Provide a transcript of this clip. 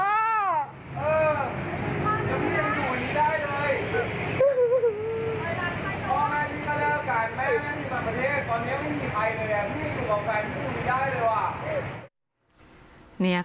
ตอนนี้ไม่มีใครเลยหนูกับแฟนพี่อยู่นี้ได้เลยวะ